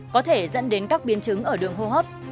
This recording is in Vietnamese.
có thể dẫn đến các biến chứng ở đường hô hấp